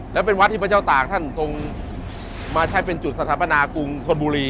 และเป็นวัดที่พระเจ้าตากท่านทรงมาใช้เป็นจุดสถาปนากรุงธนบุรี